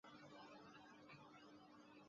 甘谷文庙大成殿的历史年代为明代。